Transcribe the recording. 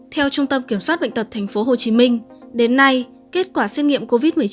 theo trung tâm kiểm soát bệnh tật tp hcm đến nay kết quả xét nghiệm covid một mươi chín